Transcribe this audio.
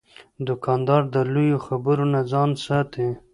دوکاندار د لویو خبرو نه ځان ساتي.